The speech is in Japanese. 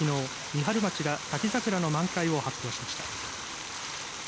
三春町が滝桜の満開を発表しました。